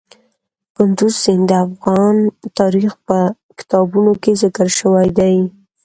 کندز سیند د افغان تاریخ په کتابونو کې ذکر شوی دی.